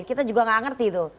kita juga gak ngerti tuh